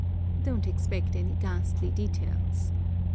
Don't expect any ghastly details.